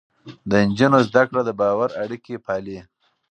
د نجونو زده کړه د باور اړيکې پالي.